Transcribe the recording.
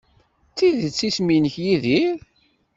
D tidet isem-nnek Yidir?